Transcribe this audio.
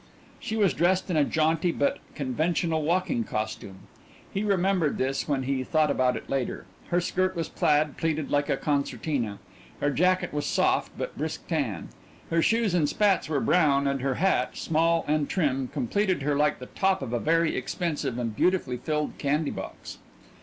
She was dressed in a jaunty but conventional walking costume he remembered this when he thought about it later. Her skirt was plaid, pleated like a concertina; her jacket was a soft but brisk tan; her shoes and spats were brown and her hat, small and trim, completed her like the top of a very expensive and beautifully filled candy box.